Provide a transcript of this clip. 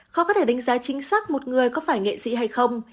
khó có thể đánh giá chính xác một người có phải nghệ sĩ hay không